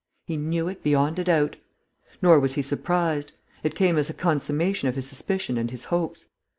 He knew it beyond a doubt. Nor was he surprised. It came as a consummation of his suspicion and his hopes.